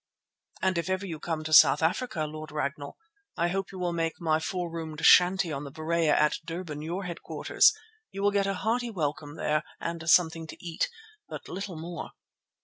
"And if ever you come to South Africa, Lord Ragnall, I hope you will make my four roomed shanty on the Berea at Durban your headquarters. You will get a hearty welcome there and something to eat, but little more."